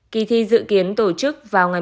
kỳ thi dự kiến tổ chức vào ngày sáu